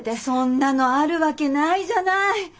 そんなのあるわけないじゃない。